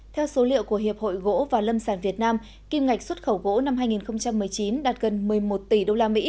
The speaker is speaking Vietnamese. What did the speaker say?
theo số liệu của hiệp hội gỗ và lâm sản việt nam kim ngạch xuất khẩu gỗ năm hai nghìn một mươi chín đạt gần một mươi một tỷ usd